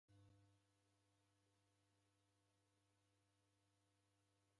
Napoilwa ni daw'ida